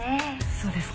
そうですか。